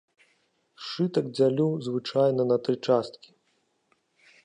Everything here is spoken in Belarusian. Сшытак дзялю звычайна на тры часткі.